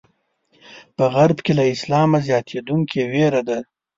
په غرب کې له اسلامه زیاتېدونکې وېره ده.